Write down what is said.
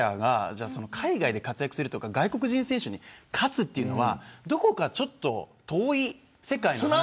日本人プレーヤーが海外で活躍するとか外国人選手に勝つというのはどこかちょっと遠い世界の話というか。